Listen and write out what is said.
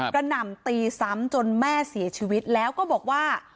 หน่ำตีซ้ำจนแม่เสียชีวิตแล้วก็บอกว่า